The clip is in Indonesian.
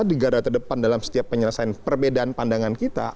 negara terdepan dalam setiap penyelesaian perbedaan pandangan kita